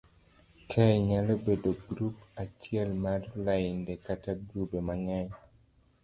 Kae nyalo bedo grup achiel mar lainde kata grube mang'eny